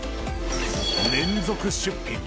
連続出品。